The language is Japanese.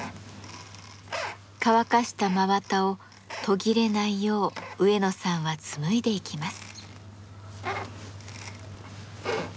乾かした真綿を途切れないよう植野さんは紡いでいきます。